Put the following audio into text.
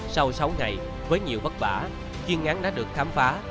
sau sáu ngày với nhiều vất vả chuyên án đã được khám phá